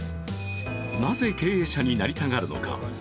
なぜ経営者になりたがるのか。